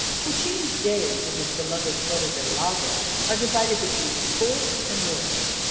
Puccini's days at his beloved Torre del Lago are divided between sport and work.